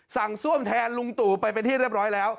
ซ่วมแทนลุงตู่ไปเป็นที่เรียบร้อยแล้ว